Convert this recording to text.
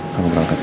kamu berangkat ya